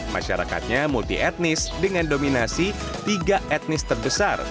masyarakatnya multi etnis dengan dominasi tiga etnis terbesar